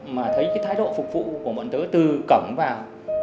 mà thấy cái thái độ phục vụ của bọn tớ từ cổng vào